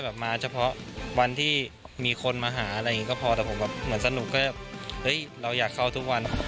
มาเฉพาะวันที่มีคนมาหาอะไรอย่างนี้ก็พอแต่ผมแบบเหมือนสนุกก็เฮ้ยเราอยากเข้าทุกวัน